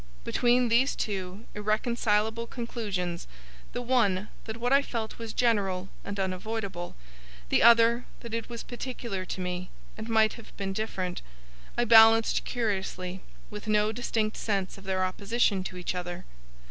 Between these two irreconcilable conclusions: the one, that what I felt was general and unavoidable; the other, that it was particular to me, and might have been different: I balanced curiously, with no distinct sense of their opposition to each other.